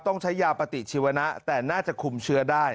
ต้องใช้ยาปฏิชีวนะแต่น่าจะคุมเชื้อได้